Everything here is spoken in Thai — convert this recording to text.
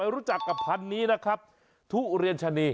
รู้จักกับพันธุ์นี้นะครับทุเรียนชะนี